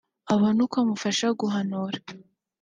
abone uko amufasha guhanura